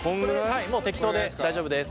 はいもう適当で大丈夫です。